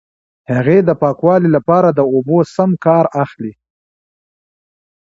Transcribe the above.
هغې د پاکوالي لپاره د اوبو سم کار اخلي.